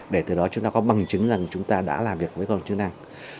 để từ đó chúng ta có bằng chứng rằng chúng ta đã làm việc với công an